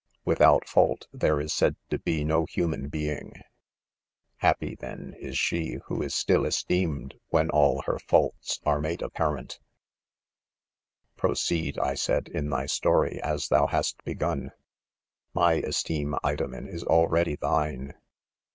Without fault, there is said to be no human being ; happy then, is she who is still esteemed, when all her faults are made apparent V "Proceed," I said, " in thy story 9 as thou hast begun. My esteem, Idomen is already thine.